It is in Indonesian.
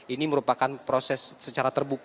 ini merupakan proses secara terbuka